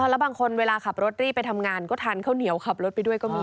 แล้วบางคนเวลาขับรถรีบไปทำงานก็ทานข้าวเหนียวขับรถไปด้วยก็มี